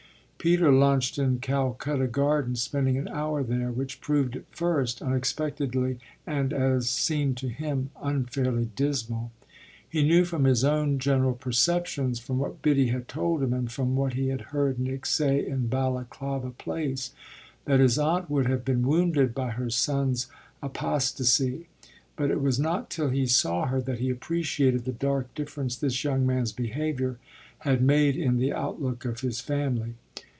Peter lunched in Calcutta Gardens, spending an hour there which proved at first unexpectedly and, as seemed to him, unfairly dismal. He knew from his own general perceptions, from what Biddy had told him and from what he had heard Nick say in Balaklava Place, that his aunt would have been wounded by her son's apostasy; but it was not till he saw her that he appreciated the dark difference this young man's behaviour had made in the outlook of his family.